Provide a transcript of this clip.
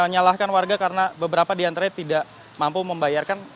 dan menyalahkan warga karena beberapa diantaranya tidak mampu membayarkan